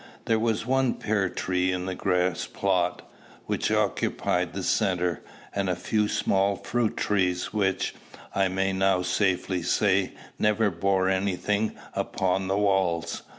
There was one pear tree in the grass plot which occupied the centre, and a few small fruit trees, which, I may now safely say, never bore any thing, upon the walls.